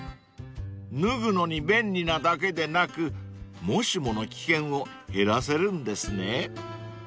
［脱ぐのに便利なだけでなくもしもの危険を減らせるんですね］